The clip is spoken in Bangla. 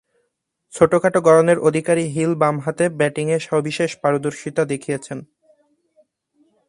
ছোট-খাঁটো গড়নের অধিকারী হিল বামহাতে ব্যাটিংয়ে সবিশেষ পারদর্শিতা দেখিয়েছেন।